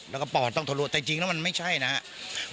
แล้วก็ปอดต้องทะลุแต่จริงแล้วมันไม่ใช่นะครับ